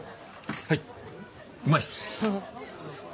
はいうまいっす！